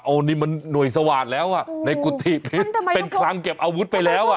อันนี้มันหน่วยสวาสตร์แล้วอ่ะในกุฏิเป็นคลังเก็บอาวุธไปแล้วอ่ะ